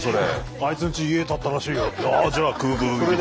「あいつんち家建ったらしいよ」。